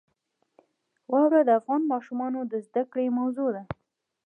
واوره د افغان ماشومانو د زده کړې موضوع ده.